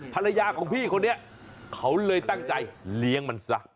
ภรรยาของพี่คนนี้เขาเลยตั้งใจเลี้ยงมันซะ